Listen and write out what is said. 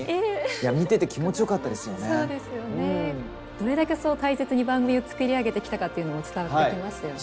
どれだけ大切に番組を作り上げてきたかっていうのも伝わってきますよね。